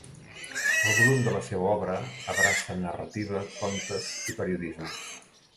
El volum de la seva obra abraça narrativa, contes i periodisme.